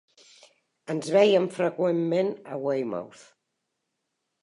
Ens vèiem freqüentment a Weymouth.